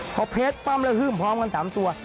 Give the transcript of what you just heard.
พอเพชรปั้มแล้วฮึ้มพร้อมกัน๓ตัว